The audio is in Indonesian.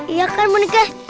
iya kan boneka